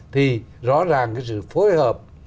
thì rõ ràng cái sự phối hợp